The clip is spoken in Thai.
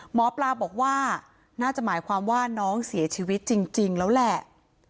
หมอปลาบอกว่าน่าจะหมายความว่าน้องเสียชีวิตจริงแล้วแหละ